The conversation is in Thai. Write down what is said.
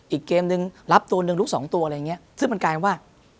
อีกเกมนึงรับตัวหนึ่งลูกสองตัวอะไรอย่างเงี้ยซึ่งมันกลายว่า